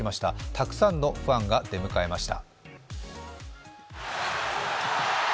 たくさんのファンが出迎えました。